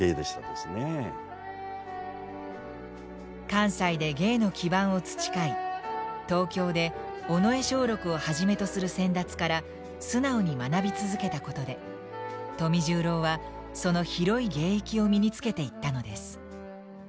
関西で芸の基盤を培い東京で尾上松緑をはじめとする先達から素直に学び続けたことで富十郎はその広い芸域を身につけていったのです。